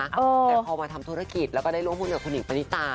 แต่พอมาทำธุรกิจแล้วก็ได้ร่วมบุญกับคุณหญิงปณิตา